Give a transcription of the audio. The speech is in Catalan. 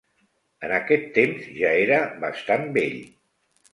En aquest temps ja era bastant vell.